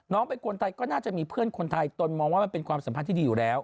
เป็นคนไทยก็น่าจะมีเพื่อนคนไทยตนมองว่ามันเป็นความสัมพันธ์ที่ดีอยู่แล้ว